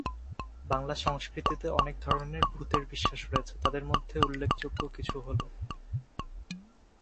বাংলা সংস্কৃতিতে অনেক ধরনের ভূতের বিশ্বাস রয়েছে; তাদের মধ্যে উল্লেখযোগ্য কিছু হলো,